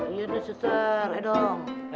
iya tuh susah eh dong